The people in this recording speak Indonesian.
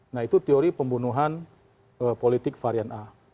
nah itu teori pembunuhan politik varian a